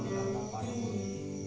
aku orang tanpa pandemi